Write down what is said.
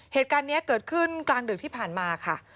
เหตุการณ์นี้เกิดขึ้นกลางดึกที่ผ่านมาค่ะ